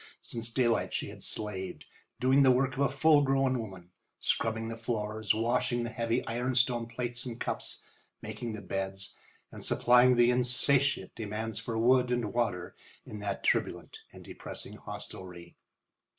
Since daylight she had slaved, doing the work of a full grown woman, scrubbing the floors, washing the heavy ironstone plates and cups, making the beds, and supplying the insatiate demands for wood and water in that turbulent and depressing hostelry.